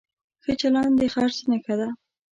ښه چلند د خرڅ نښه ده.